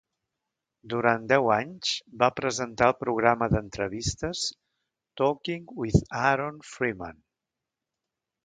Durant deu anys, va presentar el programa d'entrevistes "Talking with Aaron Freeman".